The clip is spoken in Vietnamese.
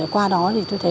qua đó thì tôi thấy